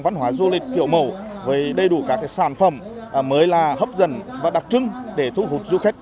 văn hóa du lịch kiểu mẫu với đầy đủ các sản phẩm mới là hấp dẫn và đặc trưng để thu hút du khách